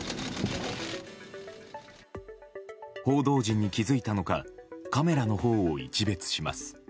報道陣に気付いたのかカメラのほうを一べつします。